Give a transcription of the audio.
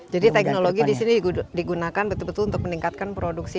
jadi teknologi di sini digunakan betul betul untuk meningkatkan produksi